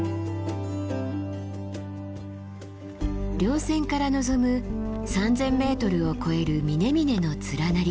稜線から望む３，０００ｍを超える峰々の連なり。